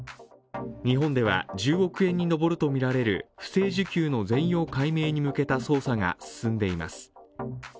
日本では１０億円に上るとみられる不正受給の全容解明に向けた捜査が進んでいます。